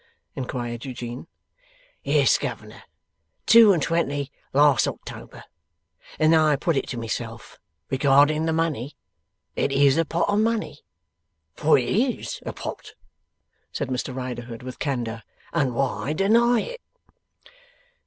inquired Eugene. 'Yes, governor. Two and twenty last October. And then I put it to myself, "Regarding the money. It is a pot of money." For it IS a pot,' said Mr Riderhood, with candour, 'and why deny it?